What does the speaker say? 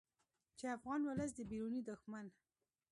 چې افغان ولس د بیروني دښمن